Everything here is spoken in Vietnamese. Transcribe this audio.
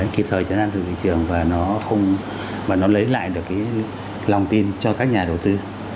kịp thời chấn an thị trường và nó lấy lại được cái lòng tin cho các nhà đầu tư